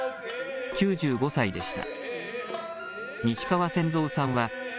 ９５歳でした。